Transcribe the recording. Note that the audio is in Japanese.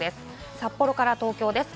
札幌から東京です。